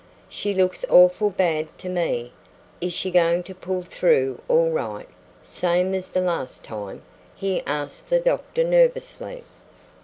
"She looks awful bad to me. Is she goin' to pull through all right, same as the last time?" he asked the doctor nervously.